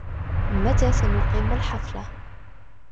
متى سنقيم الحفلة ؟